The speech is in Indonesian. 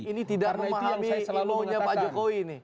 ini tidak memahami ilmunya pak jokowi nih